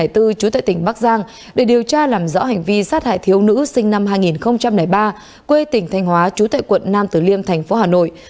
trú tại tỉnh bắc giang để điều tra làm rõ hành vi sát hại thiếu nữ sinh năm hai nghìn ba quê tỉnh thanh hóa trú tại quận nam tử liêm thành phố hà nội